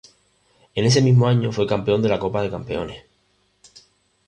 En ese mismo año fue Campeón de la Copa de Campeones.